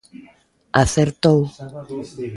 Acertou.